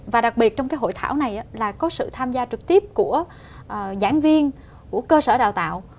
và đặc biệt trong cái hội thảo này là có sự tham gia trực tiếp của giảng viên của cơ sở đào tạo